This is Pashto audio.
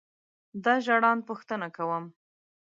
دا ژړاند پوښتنه کوم.